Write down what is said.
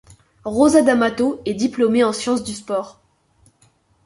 Rosa D'Amato est diplômée en sciences du sport.